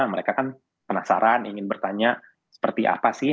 mereka kan penasaran ingin bertanya seperti apa sih